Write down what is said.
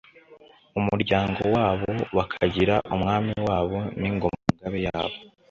umuryango wabo bakagira Umwami wabo n'Ingoma–Ngabe yabo.